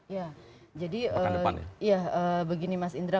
ya jadi begini mas indra